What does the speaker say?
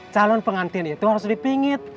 calon pengantin itu harus dipingit